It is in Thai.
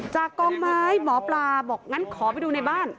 กองไม้หมอปลาบอกงั้นขอไปดูในบ้าน